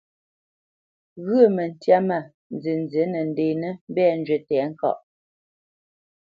Ghyə̂ məntyâ mâ nzənzí nə nděnə mbɛ̂ njywí tɛ̌ŋkaʼ.